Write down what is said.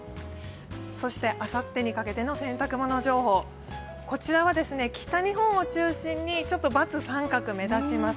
そしてあさってにかけての洗濯物情報、こちらは、北日本を中心にばつ、三角、目立ちます。